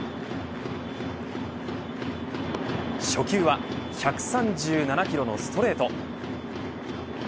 初球は１３７キロのストレート。